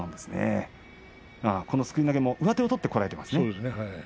相手のすくい投げも上手を取って、こらえています。